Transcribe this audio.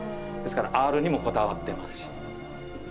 ですからアールにもこだわってますし。